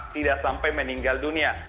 tidak sampai meninggal dunia